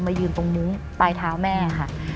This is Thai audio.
ยืนตรงมุ้งปลายเท้าแม่ค่ะ